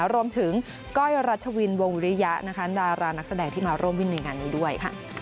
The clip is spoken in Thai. รวมถึงก้อยรัชวินวงริยะดารานักแสดงที่มาร่วมวินในงานนี้ด้วย